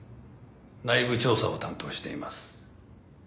内部調査を担当しています。